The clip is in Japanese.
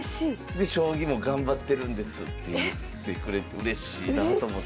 で将棋も頑張ってるんですって言ってくれてうれしいなと思って。